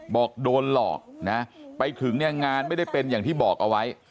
บอกโดนหลอกนะไปถึงเนี่ยงานไม่ได้เป็นอย่างที่บอกเอาไว้